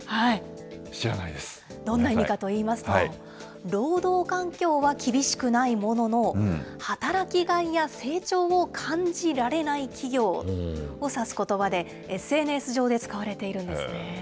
どんな意味かといいますと、労働環境は厳しくないものの、働きがいや成長を感じられない企業を指すことばで、ＳＮＳ上で使われているんですね。